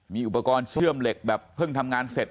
มีอุปกรณ์เชื่อมเหล็กแบบเพิ่งทำงานเสร็จ